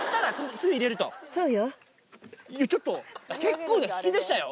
そうよ。